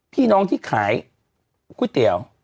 พี่น้องที่ขายก๋วยเตี๋ยว